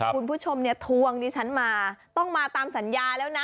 คุณผู้ชมเนี่ยทวงดิฉันมาต้องมาตามสัญญาแล้วนะ